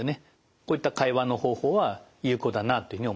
こういった会話の方法は有効だなというふうに思います。